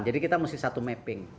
jadi kita mesti satu mapping